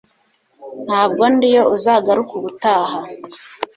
Ntabwo ndi yo uzagaruke ubutaha